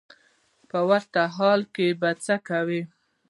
په ورته حال کې به څه کوې.